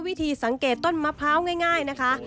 วิธีสังเกตต้นมะพร้าวง่ายนะคะ